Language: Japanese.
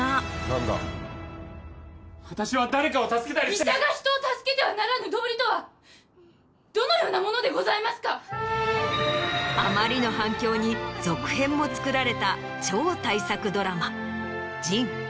医者が人を助けてはならぬ道理とはどのようなものでございますか⁉あまりの反響に続編も作られた超大作ドラマ。